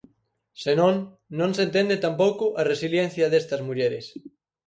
Se non, non se entende tampouco a resiliencia destas mulleres.